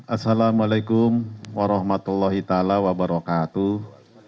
assalamualaikum warahmatullahi wabarakatuh